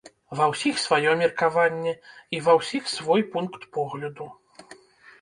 Ва ўсіх сваё меркаванне і ва ўсіх свой пункт погляду.